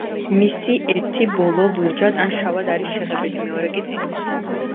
მისი ერთი ბოლო ლურჯად ან შავად არის შეღებილი, მეორე კი წითლად.